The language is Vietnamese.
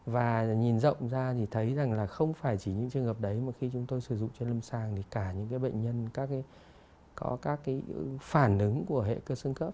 và nhìn rộng ra thì thấy rằng là không phải chỉ những trường hợp đấy mà khi chúng tôi sử dụng trên lâm sàng thì cả những cái bệnh nhân có các cái phản ứng của hệ cơ xương cấp